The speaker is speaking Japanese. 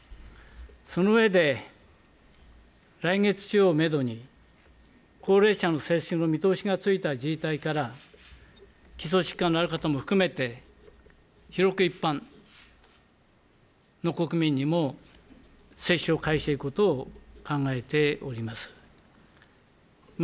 その上で、来月中をメドに、高齢者の接種の見通しがついた自治体から、基礎疾患のある方も含めて、広く一般の国民にも接種を開始していくことを考えております。